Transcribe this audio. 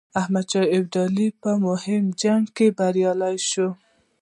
احمدشاه ابدالي په مهم جنګ کې بریالی شو.